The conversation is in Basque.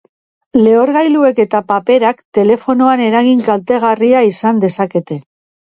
Lehorgailuek eta paperak telefonoan eragin kaltegarria izan dezakete.